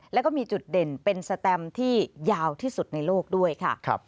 แล้วก็มีจุดเด่นเป็นสแตมที่ยาวที่สุดในโลกด้วยค่ะ